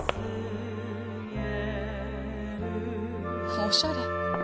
おしゃれ。